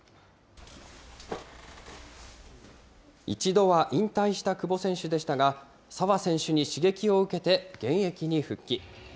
一度は引退した久保選手でしたが、澤選手に刺激を受けて、現役に復帰。